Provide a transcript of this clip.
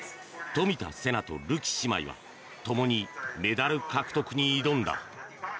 冨田せなとるき姉妹はともにメダル獲得に挑んだ。